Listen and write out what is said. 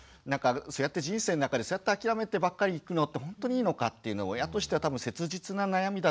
そうやって人生の中でそうやって諦めてばっかりいるのって本当にいいのかっていうの親としては多分切実な悩みだと思います。